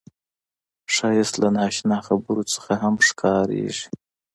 ښایست له نا اشنا خبرو نه هم راښکاري